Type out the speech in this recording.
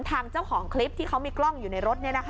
ทางเจ้าของคลิปที่เขามีกล้องอยู่ในรถ